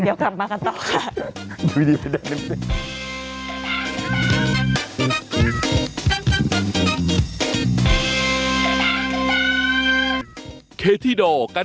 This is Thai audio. เดี๋ยวกลับมากันต่อค่ะ